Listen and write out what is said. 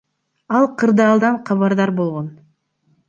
Ал кырдаалдан кабардар болгон.